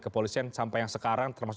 kepolisian sampai yang sekarang termasuk